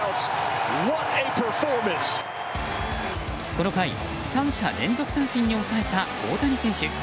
この回３者連続三振に抑えた大谷選手。